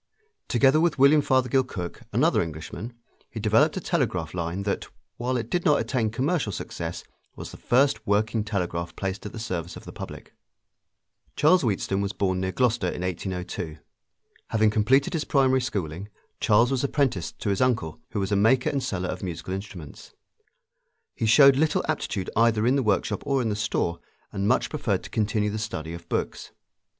Together with William Fothergill Cooke, another Englishman, he developed a telegraph line that, while it did not attain commercial success, was the first working telegraph placed at the service of the public. Charles Wheatstone was born near Gloucester in 1802. Having completed his primary schooling, Charles was apprenticed to his uncle, who was a maker and seller of musical instruments. He showed little aptitude either in the workshop or in the store, and much preferred to continue the study of books.